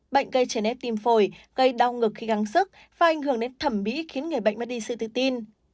bệnh gây trẻ nét tim phổi gây đau ngực khi gắng sức và ảnh hưởng đến thẩm bí khiến người bệnh mất đi sự tự tin